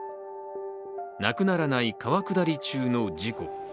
なくならない川下り中の事故。